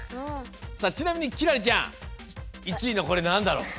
さあちなみに輝星ちゃん１位のこれなんだろう？